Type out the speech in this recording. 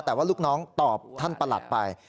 แต่ว่าลูกน้องตอบท่านประหลัดไป